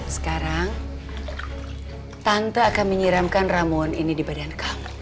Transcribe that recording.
sekarang tante akan menyiramkan ramun ini di badan kamu